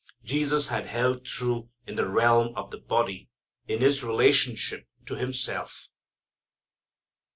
Jesus had held true in the realm of the body, in His relationship to Himself.